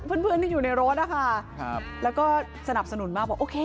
เพื่อนเพื่อนที่อยู่ในรถนะคะครับแล้วก็สนับสนุนมากบอกโอเค